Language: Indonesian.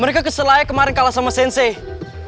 mereka keselaya kemarin kalah sama sensei